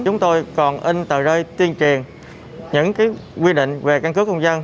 chúng tôi còn in tờ rơi tuyên truyền những quy định về căn cước công dân